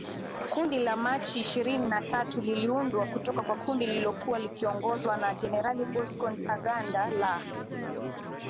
Kundi la Machi ishirini na tatu liliundwa kutoka kwa kundi lililokuwa likiongozwa na Jenerali Bosco Ntaganda la